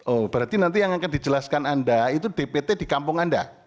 oh berarti nanti yang akan dijelaskan anda itu dpt di kampung anda